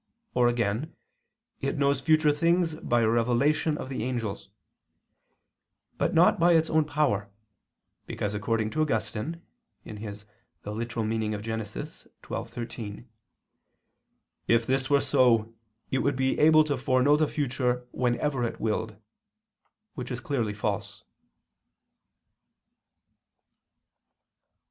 Or again, it knows future things by a revelation of the angels; but not by its own power, because according to Augustine (Gen. ad lit. xii, 13), "if this were so, it would be able to foreknow the future whenever it willed," which is clearly false.